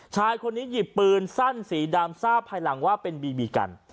ชายคนนี้หยิบปืนสั้นสีดำทราบภายหลังว่าเป็นบีบีกัน